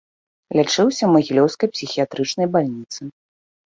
Лячыўся ў магілёўскай псіхіятрычнай бальніцы.